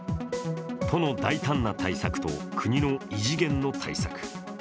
都の大胆な対策と国の異次元の対策。